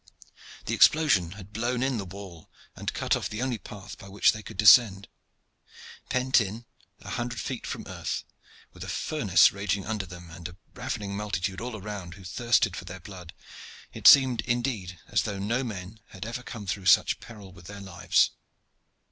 The explosion had blown in the wall and cut off the only path by which they could descend. Pent in, a hundred feet from earth, with a furnace raging under them and a ravening multitude all round who thirsted for their blood, it seemed indeed as though no men had ever come through such peril with their lives.